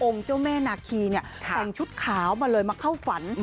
เจ้าแม่นาคีเนี่ยแต่งชุดขาวมาเลยมาเข้าฝัน